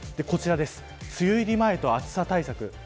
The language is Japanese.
梅雨入り前の暑さ対策